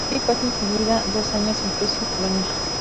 Bory pasa en seguida dos años en Prusia y en Polonia.